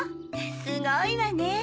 すごいわね。